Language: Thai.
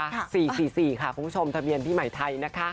๔๔ค่ะคุณผู้ชมทะเบียนพี่ใหม่ไทยนะคะ